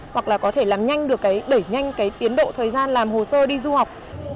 hoặc là có thể làm nhanh được cái đẩy nhanh cái tiến bộ thời gian làm hồ sơ đi du học